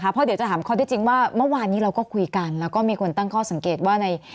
เพราะเดี๋ยวจะถามข้อที่จริงว่าเมื่อวานนี้เราก็คุยกันแล้วก็มีคนตั้งข้อสังเกตว่าใน